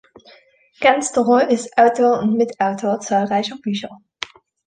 Gansterer ist Autor und Mitautor zahlreicher Bücher.